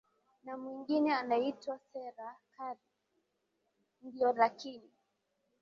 na mwengine anaitwa serah kari ndio lakini